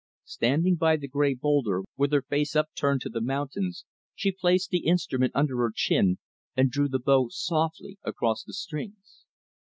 Standing by the gray boulder, with her face up turned to the mountains, she placed the instrument under her chin and drew the bow softly across the strings.